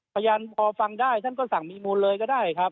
ประยานพอฟังได้คุณก็สามารถมีมูลเลยก็ได้ครับ